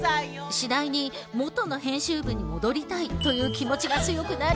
次第にもとの編集部に戻りたいという気持ちが強くなり。